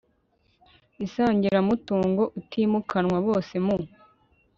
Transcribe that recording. isangiramutungo utimukanwa bose mu